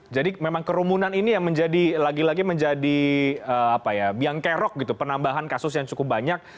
jadi memang kerumunan ini yang menjadi lagi lagi menjadi apa ya yang kerok gitu penambahan kasus yang cukup banyak